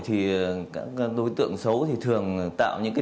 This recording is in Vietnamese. thì các đối tượng xấu thì thường tạo những cái